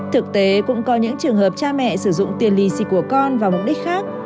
thực tế cũng có những trường hợp cha mẹ sử dụng tiền lì xịt của con vào mục đích khác